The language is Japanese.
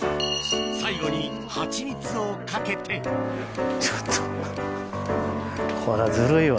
最後にハチミツをかけてちょっとこれはずるいわ。